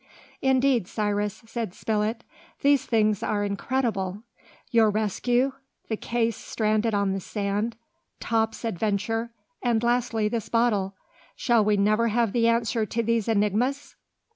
"Indeed, Cyrus," said Spilett, "these things are incredible! Your rescue, the case stranded on the sand, Top's adventure, and lastly this bottle.... Shall we never have the answer to these enigmas?"